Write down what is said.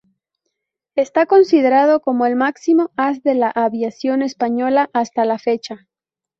Está considerado como el máximo as de la aviación española hasta la fecha.